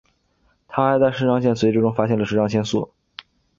他还在肾上腺髓质中发现了肾上腺素。